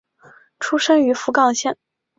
出身于福冈县。